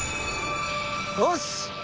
よし。